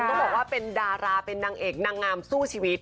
ต้องบอกว่าเป็นดาราเป็นนางเอกนางงามสู้ชีวิต